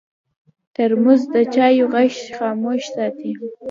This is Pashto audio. ترموز د چایو غږ خاموش ساتي.